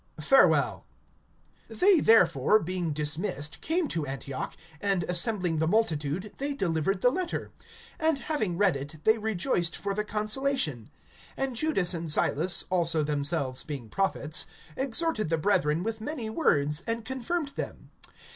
Farewell. (30)They therefore, being dismissed, came to Antioch; and assembling the multitude they delivered the letter. (31)And having read it, they rejoiced for the consolation. (32)And Judas and Silas, also themselves being prophets, exhorted the brethren with many words, and confirmed them.